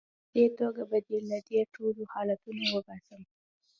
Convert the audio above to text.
په دې توګه به دې له دې ټولو حالتونو وباسم.